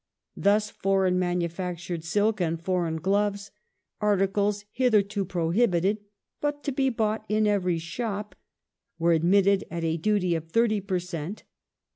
Thus foreign manufactured silk and foreign gloves, articles hitherto prohibited but *' to be bought in every shop," were admitted at a duty of 30 per cent.